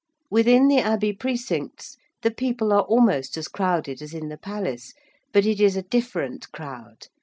Within the Abbey precincts the people are almost as crowded as in the Palace. But it is a different crowd.